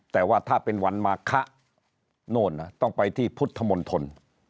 แต่ว่าถ้าเป็นวันมาคะโน่นต้องไปที่พุทธมนตร